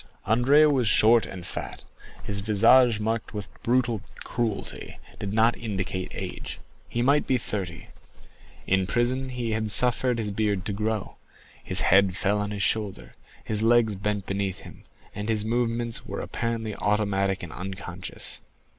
Andrea was short and fat; his visage, marked with brutal cruelty, did not indicate age; he might be thirty. In prison he had suffered his beard to grow; his head fell on his shoulder, his legs bent beneath him, and his movements were apparently automatic and unconscious.